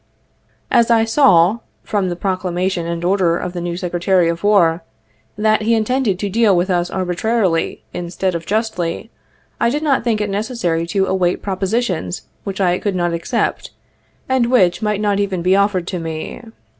As I saw, from the Proclamation and Order of the new Secretary of War, that he intended to deal with us arbi trarily, instead of justly, I did not think it necessary to await propositions which. I could not accept, and which might not even he offered to me.